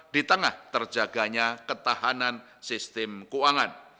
di tengah terjaganya ketahanan sistem keuangan